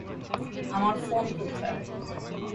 আমার ফোন কোথায়?